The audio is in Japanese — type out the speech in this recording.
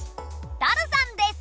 ダルさんです！